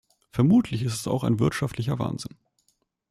Vermutlich ist es auch ein wirtschaftlicher Wahnsinn.